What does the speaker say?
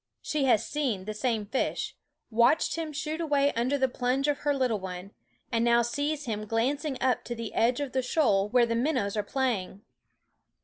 She has seen the same fish, watched him shoot away under the plunge of her little one, and now sees him glancing up to the edge of the shoal where the minnows are playing.